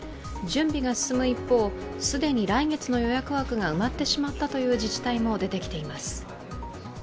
準備が進む一方、既に来月の予約枠が埋まってしまったという自治体も出てきています。